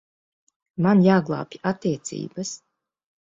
Man jāglābj attiecības.